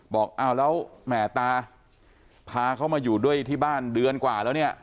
บอกอ้าวแล้วแหม่ตาพาเขามาอยู่ด้วยที่บ้านเดือนกว่าแล้วเนี่ย